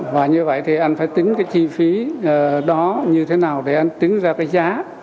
và như vậy thì anh phải tính cái chi phí đó như thế nào để anh tính ra cái giá